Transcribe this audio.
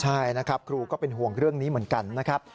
ใช่นะครับครูก็เป็นห่วงเรื่องนี้เหมือนกันนะครับ